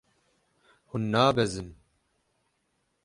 Hûn nabezin.